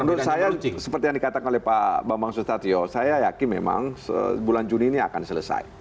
menurut saya seperti yang dikatakan oleh pak bambang susatyo saya yakin memang bulan juni ini akan selesai